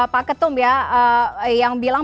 pak ketum ya yang bilang